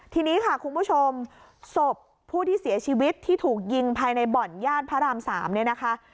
ทีนี้ค่ะคุณผู้ชมศพผู้ที่เสียชีวิตที่ถูกยิงภายในบ่อนย่านพระราม๓เนี่ยนะคะ